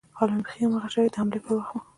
حال مې بيخي هماغه شى و چې د حملې پر وخت و.